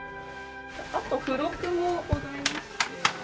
あと付録もございまして。